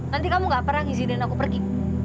nanti kamu gak pernah ngisiden aku pergi